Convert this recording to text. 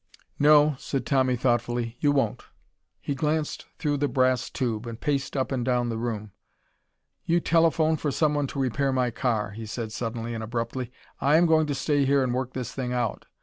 "No," said Tommy thoughtfully. "You won't." He glanced through the brass tube and paced up and down the room. "You telephone for someone to repair my car," he said suddenly and abruptly. "I am going to stay here and work this thing out.